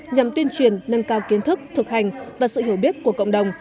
nhằm tuyên truyền nâng cao kiến thức thực hành và sự hiểu biết của cộng đồng